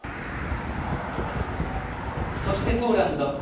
そしてポーランド。